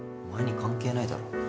お前に関係ないだろ。